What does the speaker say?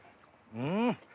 うん！